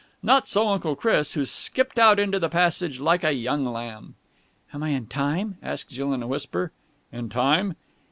Not so Uncle Chris, who skipped out into the passage like a young lamb. "Am I in time?" asked Jill in a whisper. "In time?"